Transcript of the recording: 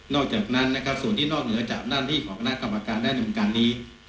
อกจากนั้นนะครับส่วนที่นอกเหนือจากหน้าที่ของคณะกรรมการได้ดำเนินการนี้